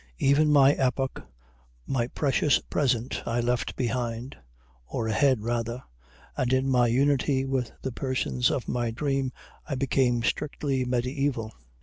Even my epoch, my precious present, I left behind (or ahead, rather), and in my unity with the persons of my dream I became strictly mediæval.